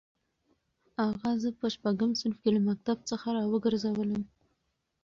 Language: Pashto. اغا زه په شپږم صنف کې له مکتب څخه راوګرځولم.